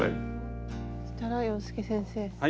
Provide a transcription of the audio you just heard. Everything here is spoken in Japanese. そしたら洋輔先生